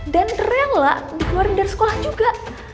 dan rela dikeluarin dari sekolah juga